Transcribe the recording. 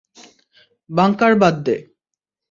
Bunker বাদ দে!